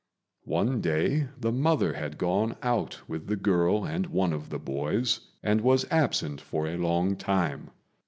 One day the mother had gone out with the girl and one of the boys, and was absent for a long time.